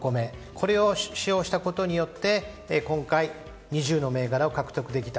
これを使用したことによって今回、２０の銘柄を獲得できた。